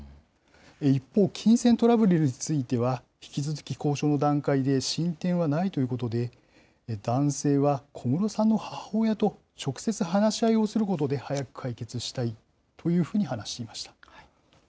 一方、金銭トラブルについては、引き続き交渉の段階で、進展はないということで、男性は小室さんの母親と、直接話し合いをすることで、早く解決したいというふうに話していました。